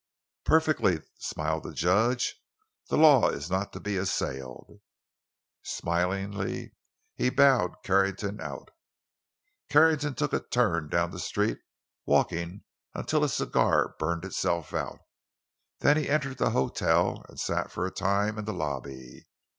"Perfectly," smiled the judge. "The law is not to be assailed." Smilingly he bowed Carrington out. Carrington took a turn down the street, walking until his cigar burned itself out; then he entered the hotel and sat for a time in the lobby.